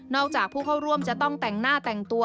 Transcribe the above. จากผู้เข้าร่วมจะต้องแต่งหน้าแต่งตัว